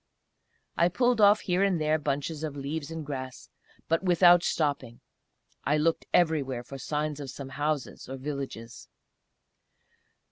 I pulled off here and there bunches of leaves and grass, but without stopping. I looked everywhere for signs of some houses or villages.